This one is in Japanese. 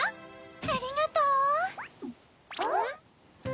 ありがとう！ん？